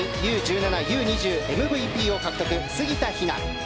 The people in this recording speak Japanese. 左にＵ‐１７、Ｕ‐２０ＭＶＰを獲得、杉田妃和。